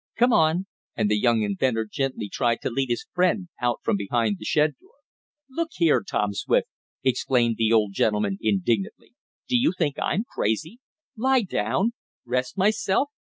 Come on," and the young inventor gently tried to lead his friend out from behind the shed door. "Look here, Tom Swift!" exclaimed the odd gentleman indignantly. "Do you think I'm crazy? Lie down? Rest myself?